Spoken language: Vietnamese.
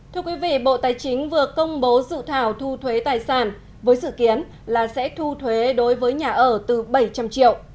thưa quý vị bộ tài chính vừa công bố dự thảo thu thuế tài sản với dự kiến là sẽ thu thuế đối với nhà ở từ bảy trăm linh triệu